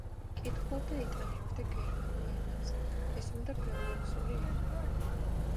კითხულობდა იტალიურ და გერმანულ ენებზე, ესმოდა ბელორუსული ენა.